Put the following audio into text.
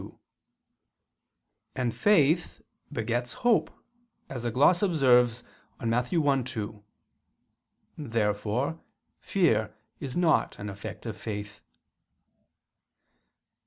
2): and faith begets hope, as a gloss observes on Matt. 1:2. Therefore fear is not an effect of faith.